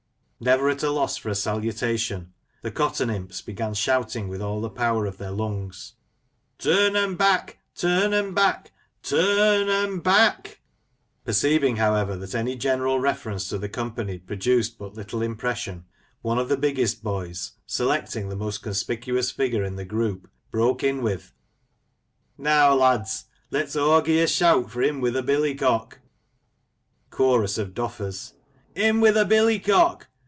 Never at a loss for a salutation, the cotton imps began shouting with all the power of their lungs, " Turn 'um back 1 Turn 'um back ! Tur r r n 'um back !'^ Perceiving, however, that any general reference to the company produced but little impression, one of the biggest boys, selecting the most conspicuous figure in the group, broke in with, —" Now, lads, let's o' gi' a sheawt for 'im wi' th' billycock !"^ Chorus of Doffers, — "Tm wi' th' billycock!